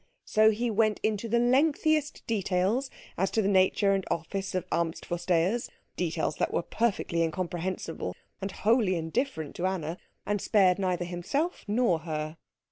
So he went into the lengthiest details as to the nature and office of Amtsvorstehers, details that were perfectly incomprehensible and wholly indifferent to Anna, and spared neither himself nor her.